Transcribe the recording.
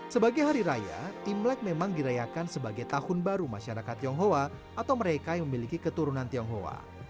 sebagai hari raya imlek memang dirayakan sebagai tahun baru masyarakat tionghoa atau mereka yang memiliki keturunan tionghoa